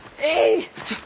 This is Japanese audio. ちょっ。